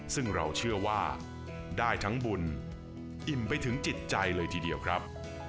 ซึ่งเราเชื่อว่าได้ทั้งบุญอิ่มไปถึงจิตใจเลยทีเดียวครับ